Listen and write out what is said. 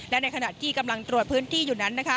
และในขณะที่กำลังตรวจพื้นที่อยู่นั้น